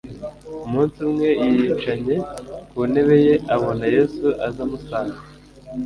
Umunsi umwe yiyicanye ku ntebe ye, abona Yesu aza amusanga,